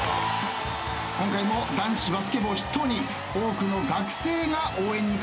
今回も男子バスケ部を筆頭に多くの学生が応援に駆け付けてくれました。